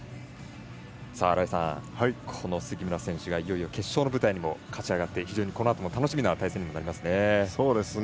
さあ新井さん、この杉村選手がいよいよ決勝の舞台に勝ち上がって非常にこのあとも楽しみな対戦となりますね。